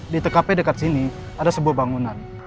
di tkp dekat sini ada sebuah bangunan